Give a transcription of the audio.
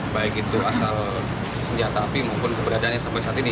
baik itu asal senjata api maupun keberadaannya sampai saat ini